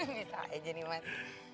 ini tak ada jeniman